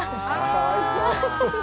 かわいそう。